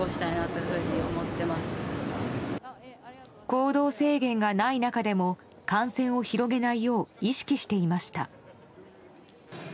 行動制限がない中でも感染を広げないよう意識していました。